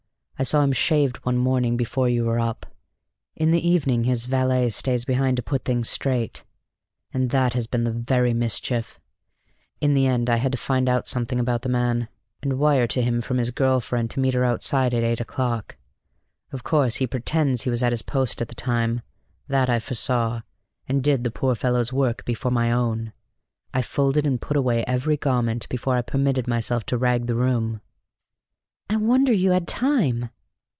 I saw him shaved one morning before you were up! In the evening his valet stays behind to put things straight; and that has been the very mischief. In the end I had to find out something about the man, and wire to him from his girl to meet her outside at eight o'clock. Of course he pretends he was at his post at the time: that I foresaw, and did the poor fellow's work before my own. I folded and put away every garment before I permitted myself to rag the room." "I wonder you had time!"